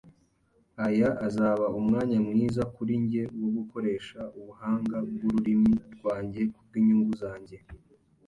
Aya azaba umwanya mwiza kuri njye wo gukoresha ubuhanga bwururimi rwanjye kubwinyungu zanjye.